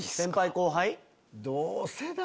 後輩？